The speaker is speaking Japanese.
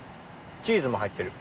チーズも入ってる。